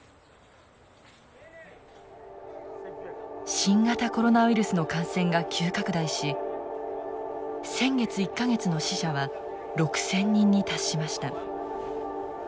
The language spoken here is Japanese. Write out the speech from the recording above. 新型コロナウイルスの感染が急拡大し先月１か月の死者は６，０００人に達しました。